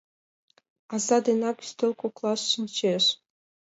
Аза денак ӱстел коклаш шинчеш.